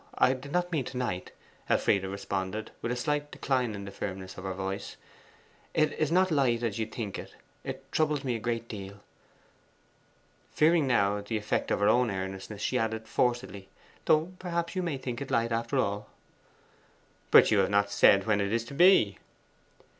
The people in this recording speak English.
I did not mean to night,' Elfride responded, with a slight decline in the firmness of her voice. 'It is not light as you think it it troubles me a great deal.' Fearing now the effect of her own earnestness, she added forcedly, 'Though, perhaps, you may think it light after all.' 'But you have not said when it is to be?